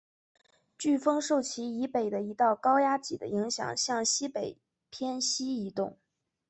飓风受其以北的一道高压脊的影响下向西北偏西移动。